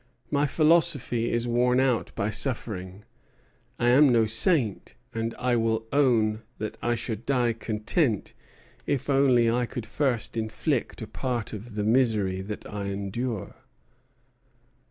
My philosophy is worn out by suffering. I am no saint, and I will own that I should die content if only I could first inflict a part of the misery that I endure."